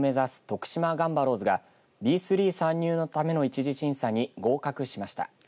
徳島ガンバロウズがＢ３参入のための１次審査に合格しました。